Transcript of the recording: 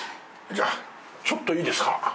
じゃあちょっといいですか？